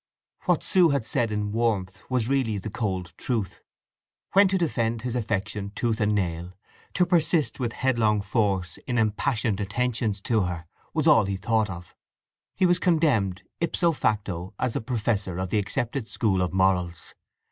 What Sue had said in warmth was really the cold truth. When to defend his affection tooth and nail, to persist with headlong force in impassioned attentions to her, was all he thought of, he was condemned ipso facto as a professor of the accepted school of morals.